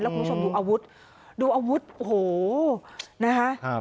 คุณผู้ชมดูอาวุธดูอาวุธโอ้โหนะคะ